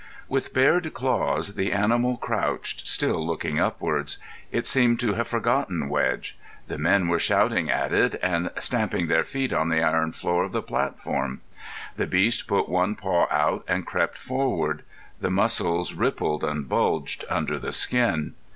With bared claws, the animal crouched, still looking upwards. It seemed to have forgotten Wedge. The men were shouting at it and stamping with their feet on the iron floor of the platform. The beast put one paw out and crept forward. The muscles rippled and bulged under the skin.